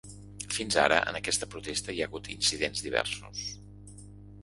Fins ara, en aquest protesta hi ha hagut incidents diversos.